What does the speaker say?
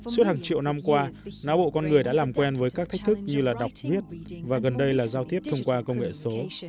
suốt hàng triệu năm qua não bộ con người đã làm quen với các thách thức như là đọc viết và gần đây là giao tiếp thông qua công nghệ số